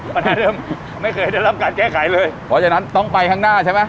เหมือนเดิมไม่เคยได้รับการแก้ไขเลยเพราะฉะนั้นต้องไปข้างหน้าใช่ไหม